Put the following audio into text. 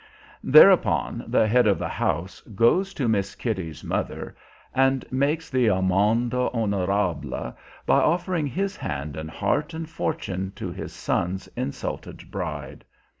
Thereupon the head of the house goes to Miss Kitty's mother and makes the amende honorable by offering his hand and heart and fortune to his son's insulted bride!